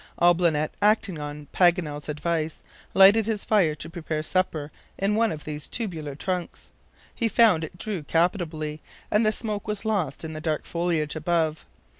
Olbinett, acting on Paganel's advice, lighted his fire to prepare supper in one of these tubular trunks. He found it drew capitally, and the smoke was lost in the dark foliage above.